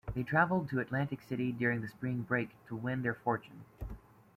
They traveled to Atlantic City during the spring break to win their fortune.